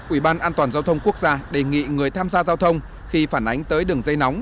ủy ban an toàn giao thông quốc gia đề nghị người tham gia giao thông khi phản ánh tới đường dây nóng